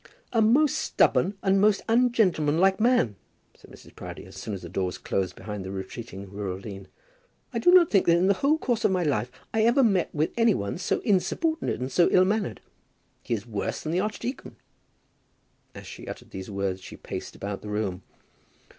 "A most stubborn and a most ungentlemanlike man," said Mrs. Proudie, as soon as the door was closed behind the retreating rural dean. "I do not think that in the whole course of my life I ever met with any one so insubordinate and so ill mannered. He is worse than the archdeacon." As she uttered these words she paced about the room.